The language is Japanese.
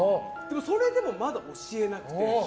それでもまだ教えなくて。